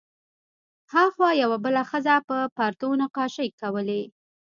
هاخوا یوه بله ښځه پر پردو نقاشۍ کولې.